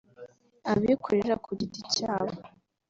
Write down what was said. abikorera ku giti cyabo…